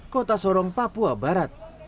kota sorong papua barat